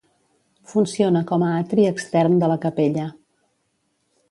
Funciona com a atri extern de la capella.